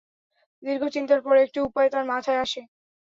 দীর্ঘ চিন্তার পর একটি উপায় তার মাথায় আসে।